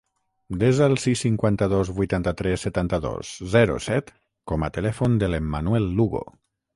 Desa el sis, cinquanta-dos, vuitanta-tres, setanta-dos, zero, set com a telèfon de l'Emanuel Lugo.